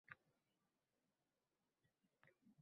To‘s-to‘polon bo‘ldi. Tasir-tusur bo‘ldi. Qiy-chuv bo‘ldi.